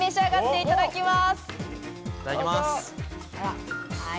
いただきます。